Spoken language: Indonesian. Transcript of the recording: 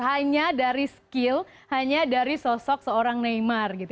hanya dari skill hanya dari sosok seorang neymar gitu